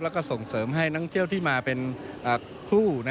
แล้วก็ส่งเสริมให้นักเที่ยวที่มาเป็นครู